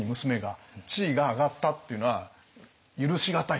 地位が上がったっていうのは許しがたいと。